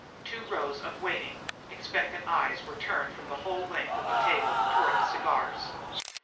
Two rows of waiting, expectant eyes were turned from the whole length, of the table, toward the cigars.